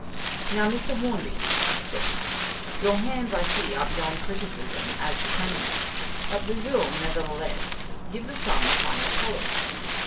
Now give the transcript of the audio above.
"Now, Mr. Hornby," said he, "your hands, I see, are beyond criticism as to cleanliness, but we will, nevertheless, give the thumb a final polish."